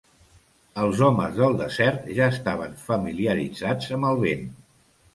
Els homes del desert ja estaven familiaritzats amb el vent.